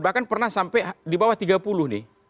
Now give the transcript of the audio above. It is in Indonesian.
bahkan pernah sampai di bawah tiga puluh nih